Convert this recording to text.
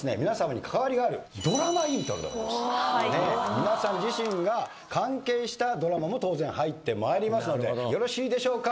皆さん自身が関係したドラマも当然入ってまいりますのでよろしいでしょうか。